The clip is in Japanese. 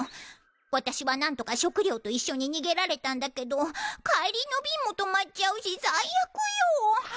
私は何とか食料と一緒に逃げられたんだけど帰りの便も止まっちゃうし最悪よぉ。